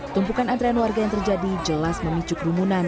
tumpukan antrean warga yang terjadi jelas memicu kerumunan